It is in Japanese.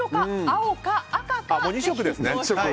青か赤か。